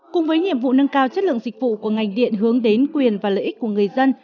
cùng với nhiệm vụ nâng cao chất lượng dịch vụ của ngành điện hướng đến quyền và lợi ích của người dân